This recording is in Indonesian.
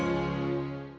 mas mbak udah pulang